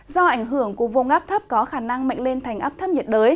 do ảnh hưởng của vùng áp thấp có khả năng mạnh lên thành áp thấp nhiệt đới